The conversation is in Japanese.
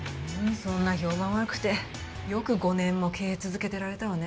そんな評判悪くてよく５年も経営続けてられたわね。